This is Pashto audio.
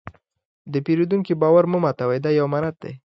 د پیرودونکي باور مه ماتوئ، دا یو امانت دی.